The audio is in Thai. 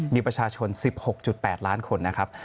มีประชาชน๑๖๘ล้านคนนะครับ